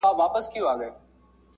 لس ملګري ول